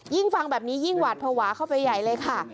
ฟังแบบนี้ยิ่งหวาดภาวะเข้าไปใหญ่เลยค่ะ